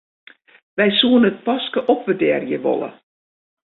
Wy soenen it paske opwurdearje wolle.